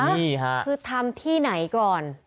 นี่ค่ะคือทำที่ไหนก่อน